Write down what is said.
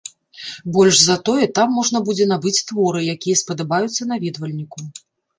Больш за тое, там можна будзе набыць творы, якія спадабаюцца наведвальніку.